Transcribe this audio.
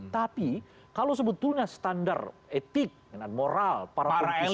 tapi kalau sebetulnya standar etik moral para elit